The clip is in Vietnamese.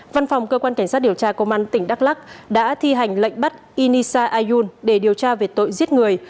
văn phòng cơ quan cảnh sát điều tra công an tỉnh đắk lắc đã thi hành lệnh bắt inisa ayun để điều tra về tội giết người